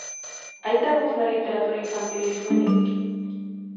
Hai tabús na literatura infantil e xuvenil?